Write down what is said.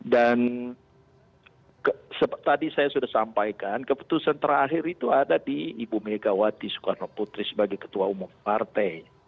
dan tadi saya sudah sampaikan keputusan terakhir itu ada di ibu megawati soekarno putri sebagai ketua umum partai